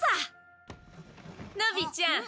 のびちゃん